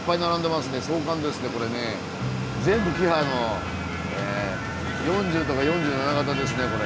全部キハの４０とか４７型ですねこれ。